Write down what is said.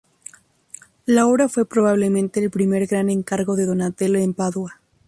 La obra fue probablemente el primer gran encargo de Donatello en Padua.